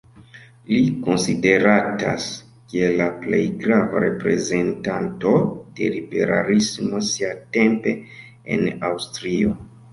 Li konsideratas kiel la plej grava reprezentanto de liberalismo siatempe en Aŭstrio.